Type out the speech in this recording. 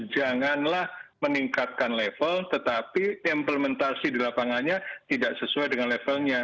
janganlah meningkatkan level tetapi implementasi di lapangannya tidak sesuai dengan levelnya